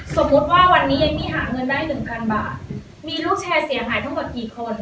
สมมุติว่าวันนี้เอมมี่หาเงินได้หนึ่งพันบาทมีลูกแชร์เสียหายทั้งหมดกี่คน